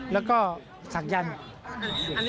แล้วก็ศักยันต์